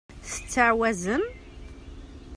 Tettɛawazem?